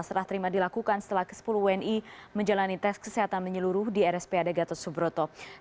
serah terima dilakukan setelah ke sepuluh wni menjalani tes kesehatan menyeluruh di rspad gatot subroto